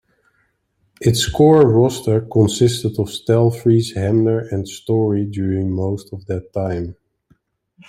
Its core roster consisted of Stelfreeze, Hamner, and Story during most of that time.